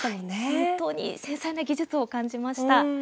本当に繊細な技術を感じました。